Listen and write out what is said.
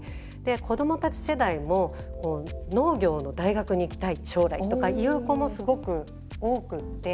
子どもたち世代も農業の大学に行きたい将来とかいう子もすごく多くって。